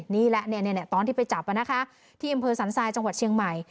นี่แหละตอนที่ไปจับนะคะที่อำเภอสันทรายจังหวัดเชียงใหม่